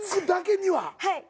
はい。